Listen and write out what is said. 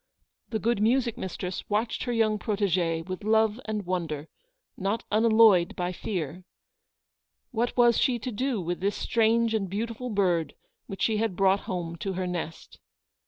The good music mistress watched her young pro tegee with love and wonder, not unalloyed by fear. \That was she to do with this strange and beautiful bird which she had brought home to her nest